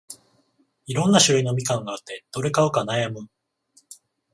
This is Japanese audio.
いろんな種類のみかんがあって、どれ買うか悩む